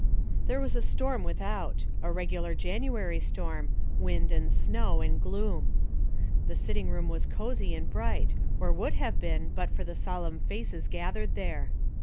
m HERE was a storm without ; a regular January storm — wind, and snow, and gloom. The sitting room was cosy and bright, or would have been but for the solemn faces gathered there.